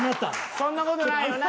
そんな事ないよな？